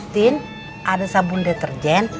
tin ada sabun deterjen